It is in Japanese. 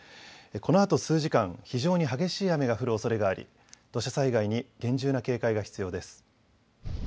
このあと数時間、非常に激しい雨が降るおそれがあり土砂災害に厳重な警戒が必要です。